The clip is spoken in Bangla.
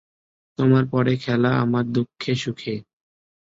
তোমার 'পরে খেলা আমার দুঃখে সুখে।